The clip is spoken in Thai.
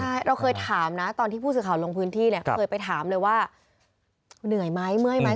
ใช่เราเคยถามนะตอนที่ผู้สื่อข่าวลงพื้นที่เนี่ยเคยไปถามเลยว่าเหนื่อยไหมเมื่อยไหม